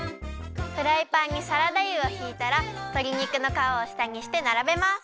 フライパンにサラダ油をひいたらとりにくのかわをしたにしてならべます。